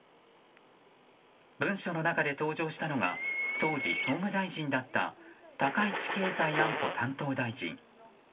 文書の中で登場したのが当時、総務大臣だった高市経済安保担当大臣。